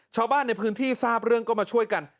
ชาวบ้านในพื้นที่ทราบเรื่องก็มาช่วยกัน